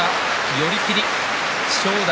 寄り切りで正代